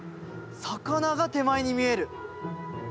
魚が手前に見える！